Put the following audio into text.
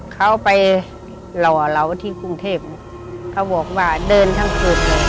เขาไปลอเหล้าที่กรุงเทพ